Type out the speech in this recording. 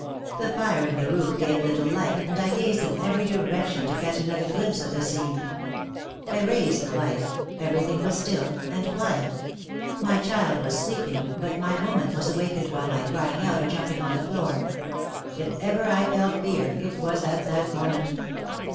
The fire in the room gave little light, and I gazed in every direction to catch another glimpse of the scene. I raised the light; everything was still and quiet. My child was sleeping, but my woman was awakened by my crying out or jumping on the floor. If ever I felt fear it was at that moment.